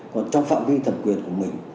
còn trong phạm vi thẩm quyền của mình